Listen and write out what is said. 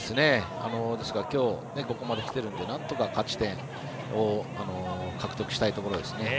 きょうここまできているのでなんとか勝ち点を獲得したいところですね。